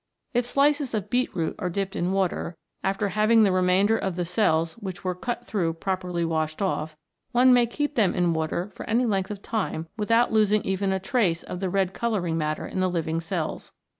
If slices of beet root are dipped in water, after having the remainder of the cells which were cut through properly washed off, one may keep them in water for any length of time without losing even a trace of the red colouring matter in the living cells.